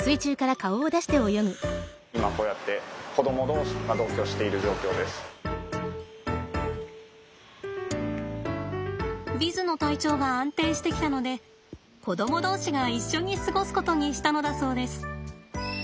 今こうやってヴィズの体調が安定してきたので子ども同士が一緒に過ごすことにしたのだそうです。